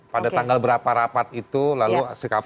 pada tanggal berapa rapat itu lalu sikap rasminta